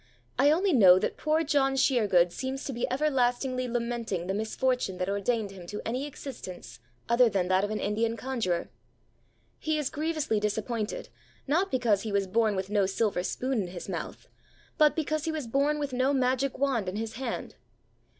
I only know that poor John Sheergood seems to be everlastingly lamenting the misfortune that ordained him to any existence other than that of an Indian conjurer. He is grievously disappointed, not because he was born with no silver spoon in his mouth, but because he was born with no magic wand in his hand.